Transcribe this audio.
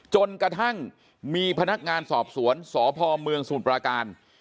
จนกระทั่งมีพนักงานสอบสวนสพเมืองสมุทรปราการ